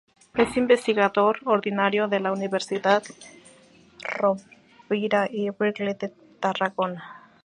Es Investigador Ordinario de la Universidad Rovira i Virgili de Tarragona.